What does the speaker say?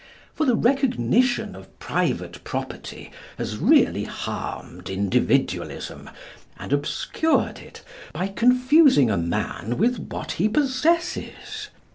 For the recognition of private property has really harmed Individualism, and obscured it, by confusing a man with what he possesses.